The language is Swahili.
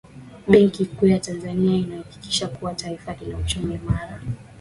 benki kuu ya tanzania inahakikisha kuwa taifa lina uchumi imara